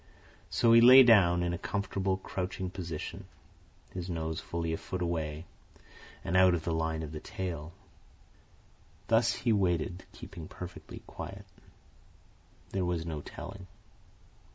So he lay down, in a comfortable crouching position, his nose fully a foot away, and out of the line of the tail. Thus he waited, keeping perfectly quiet. There was no telling.